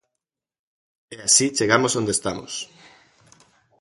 E así chegamos onde estamos.